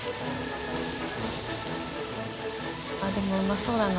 あっでもうまそうだな。